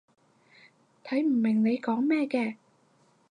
睇唔明你講咩嘅